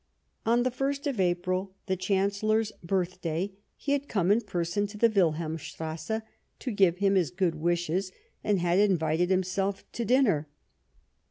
On the ist of April, the Chancellor's birthday, he had come in person to the Wilhelmstrasse to give him his good wishes, and had invited himself to dinner.